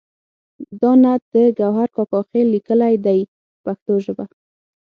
دا نعت د ګوهر کاکا خیل لیکلی دی په پښتو ژبه.